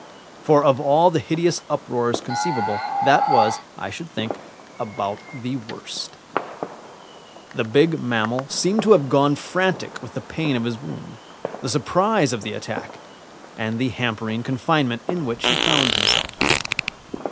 For of all the hideous uproars conceivable, that was, I should think, about the worst. The big mammal seemed to have gone frantic with the pain of his wound, the surprise of the attack, and the hampering confinement in which he found himself.